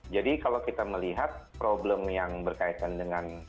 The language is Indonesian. jadi kalau kita melihat problem yang berkaitan dengan